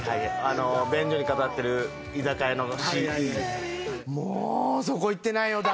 便所に飾ってる居酒屋の。